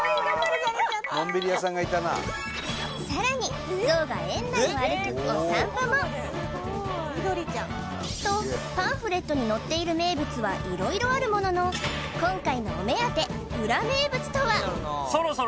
さらにゾウが園内を歩くお散歩もとパンフレットに載っている名物は色々あるものの今回のお目当て